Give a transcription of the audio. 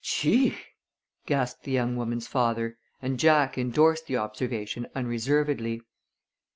"Gee!" gasped the young woman's father, and Jack indorsed the observation unreservedly.